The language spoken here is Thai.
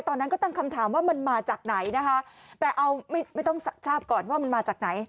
ตอนนั้นก็ตั้งคำถามว่ามันมาจากไหนนะคะแต่เอาไม่ไม่ต้องทราบก่อนว่ามันมาจากไหน